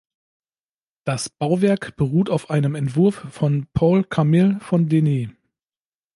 Das Bauwerk beruht auf einem Entwurf von Paul Camille von Denis.